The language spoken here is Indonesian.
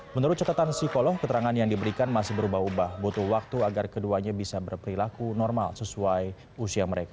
menurut catatan psikolog keterangan yang diberikan masih berubah ubah butuh waktu agar keduanya bisa berperilaku normal sesuai usia mereka